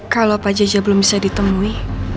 kalo pak jajah belum bisa ditemui